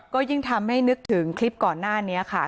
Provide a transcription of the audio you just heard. ก็ยิ่งทำให้นึกถึงคลิปก่อนหน้านี้ค่ะ